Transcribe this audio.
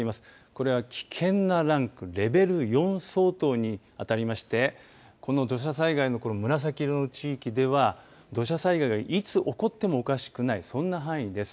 これは危険なランクレベル４相当に当たりましてこの土砂災害のこの紫色の地域では土砂災害がいつ起こってもおかしくない、そんな範囲です。